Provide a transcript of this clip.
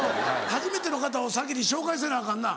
初めての方を先に紹介せなアカンな。